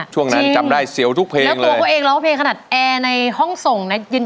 จริงแล้วตัวเค้าเองเราก็เพลงขนาดแอร์ในห้องส่งในเย็น